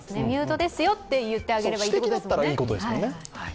ミュートですよって言ってあげればいいですよね。